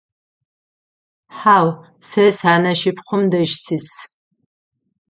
Хьау, сэ сянэшыпхъум дэжь сис.